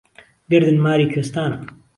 گهردن ماری کویستانە